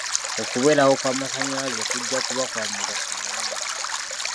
Okubeerawo kw'amasannyalaze kujja kuba kwa mugaso munene.